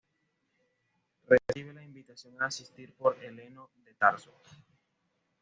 Recibe la invitación a asistir por Heleno de Tarso.